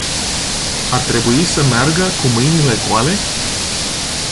Ar trebui să meargă cu mâinile goale?